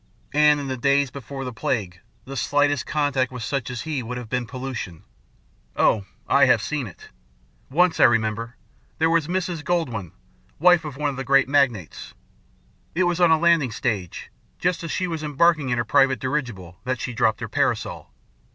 And, in the days before the plague, the slightest contact with such as he would have been pollution. Oh, I have seen it. Once, I remember, there was Mrs. Goldwin, wife of one of the great magnates. It was on a landing stage, just as she was embarking in her private dirigible, that she dropped her parasol.